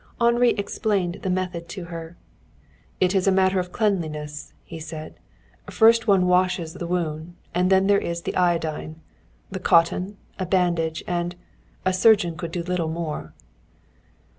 Henri explained the method to her. "It is a matter of cleanliness," he said. "First one washes the wound and then there is the iodine. Then cotton, a bandage, and a surgeon could do little more."